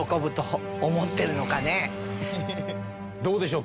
どうでしょう？